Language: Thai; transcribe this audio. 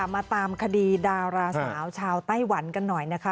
มาตามคดีดาราสาวชาวไต้หวันกันหน่อยนะคะ